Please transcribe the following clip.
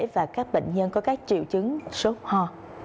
và các bệnh nhân có các triệu chứng sốt ho